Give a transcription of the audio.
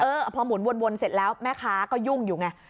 พอหมุนวนเสร็จแล้วแม่ค้าก็ยุ่งอยู่ไง